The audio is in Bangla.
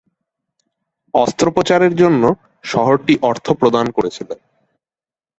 অস্ত্রোপচারের জন্য শহরটি অর্থ প্রদান করেছিল।